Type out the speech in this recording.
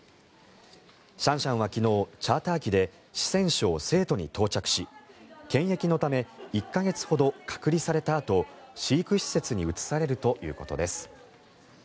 シャンシャンは昨日、チャーター機で四川省成都に到着し検疫のため１か月ほど隔離されたあと飼育施設に移されるということです。